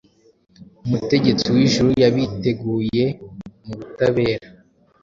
Umutegetsi wijuru yabiteguye mubutabera